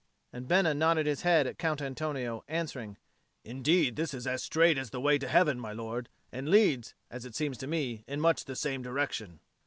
And Bena nodded his head at Count Antonio, answering, "Indeed this is as strait as the way to heaven, my lord, and leads, as it seems to me, in much the same direction."